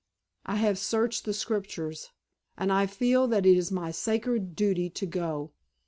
I have searched the Scriptures. And I feel that it is my sacred duty to go.